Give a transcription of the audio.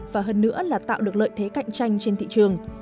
và hơn nữa là tạo được lợi thế cạnh tranh trên thị trường